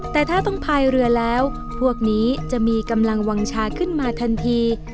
แต่ถ้าต้องพายเรือแล้วพวกนี้จะมีกำลังวางชาขึ้นมาทันที